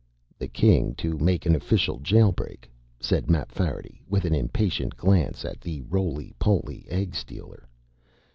"The King to make an official jail break," said Mapfarity with an impatient glance at the rolypoly egg stealer.